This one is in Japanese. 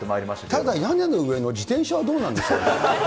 ただ屋根の上の自転車はどうなんですかね。